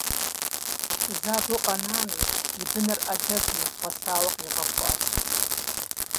Фызабэу къэнами, и бынхэр Ӏэдэбу, гъэсауэ къигъэхъуащ.